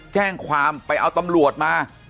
แจ้งความไปเอาตำรวจมา